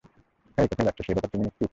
হেই, কোথায় যাচ্ছো সে ব্যাপারে তুমি নিশ্চিত?